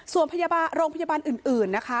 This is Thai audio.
ส่วนโรงพยาบาลอื่นนะคะ